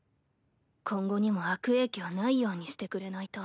今後にも悪影響ないようにしてくれないと。